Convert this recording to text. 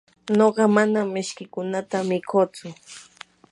nuqa manam mishkiykunata mikutsu.